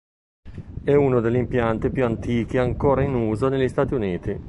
È uno degli impianti più antichi ancora in uso negli Stati Uniti.